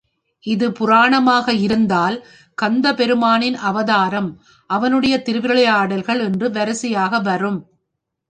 இது புராணமாக இருந்தால் கந்தப் பெருமானின் அவதாரம், அவனுடைய திருவிளையாடல்கள் என்று வரிசையாக வரும்.